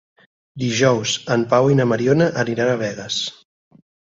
Dijous en Pau i na Mariona aniran a Begues.